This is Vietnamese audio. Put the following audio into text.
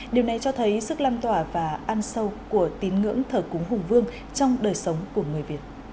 điều này cho thấy sức lan tỏa và ăn sâu của tín ngưỡng thờ cúng hùng vương trong đời sống của người việt